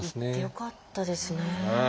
行ってよかったですね。